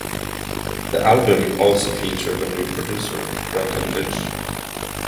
The album also featured a new producer, Brendan Lynch.